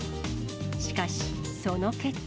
しかし、その結果。